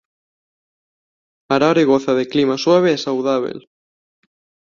Harare goza de clima suave e saudábel.